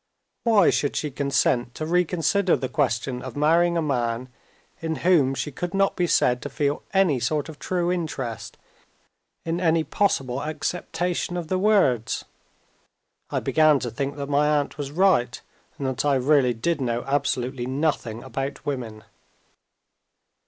Why should she consent to reconsider the question of marrying a man, in whom she could not be said to feel any sort of true interest, in any possible acceptation of the words? I began to think that my aunt was right, and that I really did know absolutely nothing about women.